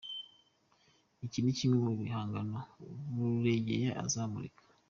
Iki ni kimwe mu bihangano Buregeya azamurika.